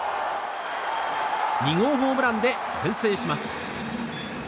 ２号ホームランで先制します。